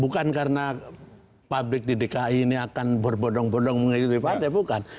bukan karena publik di dki ini akan berbodong bodong mengikuti partai bukan